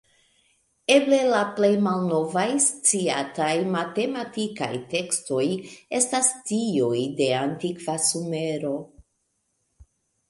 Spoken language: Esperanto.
Eble la plej malnovaj sciataj matematikaj tekstoj estas tiuj de antikva Sumero.